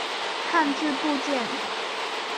汉字部件。